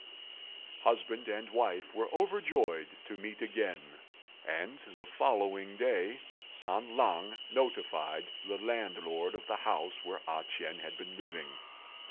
Husband and wife were overjoyed to meet again, and the following day San lang notified the landlord of the house where A ch'ien had been living.